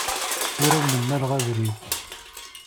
Ur awen-mmaleɣ abrid.